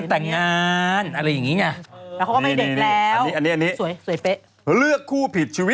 เดี๋ยวใครถ่ายให้วะ